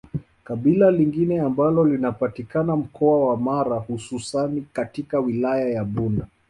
Kabila lingine ambalo linapatikana mkoa wa Mara hususani katika wilaya ya Bunda